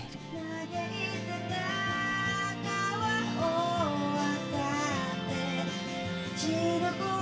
「嘆いてた川を渡って」